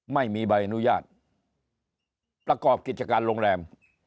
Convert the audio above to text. ไม่มีใบอนุญาตประกอบกิจการโรงแรม